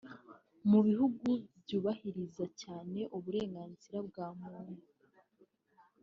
Mu bihugu byubahiriza cyane uburenganzira bwa muntu